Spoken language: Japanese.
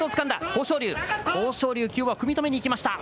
豊昇龍、きょうは組み止めにいきました。